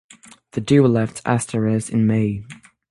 The duo left Asteras in May.